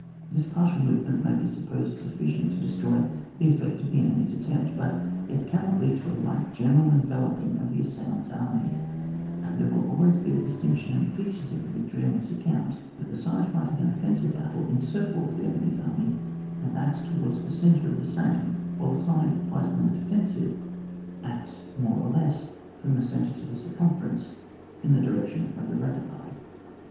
This partial move ment may be supposed sufficient to de* stroy the effect of the enemy's attempt, but it cannot lead to a like general enveloping of the assailant's army ; and there wiU always be a distinction in the features of a victory on this account, that the side fighting an offensive battle encircles the enemy's army, and acts to wards the centre of the same, while the side fighting on the defensive acts more or less from the centre to the circumference, in the direction of the radii.